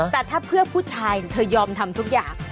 แต่ถ้าเพื่อผู้ชายเธอยอมทำทุกอย่าง